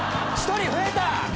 １人増えた！